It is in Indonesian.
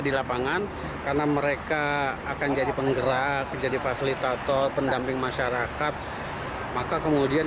di lapangan karena mereka akan jadi penggerak jadi fasilitator pendamping masyarakat maka kemudian